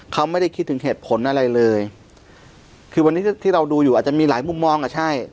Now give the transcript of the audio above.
เขาไม่ได้คิดถึงเหตุผลอะไรเลยคือวันนี้ที่เราดูอยู่อาจจะมีหลายมุมมองอ่ะใช่